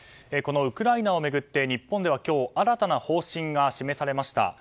このウクライナを巡って日本では今日新たな方針が示されました。